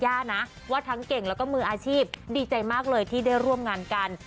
ย่านะว่าทั้งเก่งแล้วก็มืออาชีพดีใจมากเลยที่ได้ร่วมงานกัน